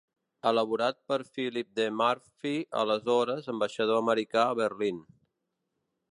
Elaborat per Philip D. Murphy, aleshores ambaixador americà a Berlín.